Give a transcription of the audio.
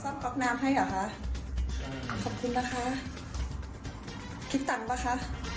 ป๊อกน้ำให้เหรอคะขอบคุณนะคะคิดตังค์ป่ะคะ